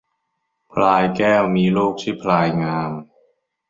พลายแก้วมีลูกชื่อพลายงาม